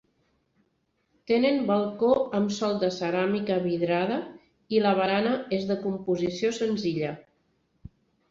Tenen balcó amb sòl de ceràmica vidrada i la barana és de composició senzilla.